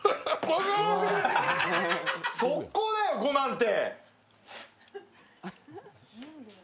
速攻だよ、５なんて！